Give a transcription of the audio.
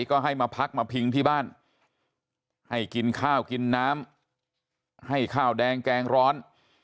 ก็ให้มาพักมาพิงที่บ้านให้กินข้าวกินน้ำให้ข้าวแดงแกงร้อน